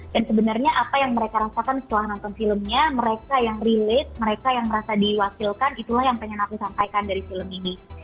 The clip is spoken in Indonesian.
dan sebenernya apa yang mereka rasakan setelah nonton filmnya mereka yang relate mereka yang merasa diwakilkan itulah yang pengen aku sampaikan dari film ini